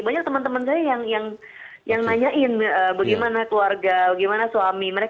banyak teman teman saya yang nanyain bagaimana keluarga bagaimana suami